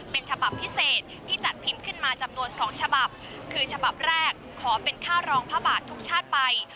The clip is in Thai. เป็นฉบับพิเศษที่จัดพิมพ์ขึ้นมาจำนวน๒ฉบับคือฉบับแรกขอเป็นค่ารองพระบาททุกชาติไป